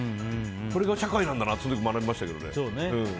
それが社会なんだなってその時学びましたけどね。